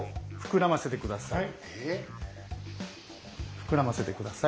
膨らませて下さい。